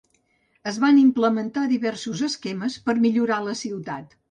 Es van implementar diversos esquemes per millorar la ciutat.